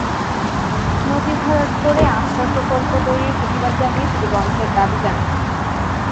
নদী ভরাট করে আশ্রয়ণ প্রকল্প তৈরির প্রতিবাদ জানিয়ে সেটি বন্ধের দাবি জানায়।